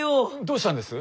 どうしたんです？